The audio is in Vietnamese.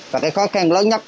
và cái khó khăn lớn nhất